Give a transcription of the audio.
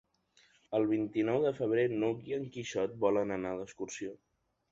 El vint-i-nou de febrer n'Hug i en Quixot volen anar d'excursió.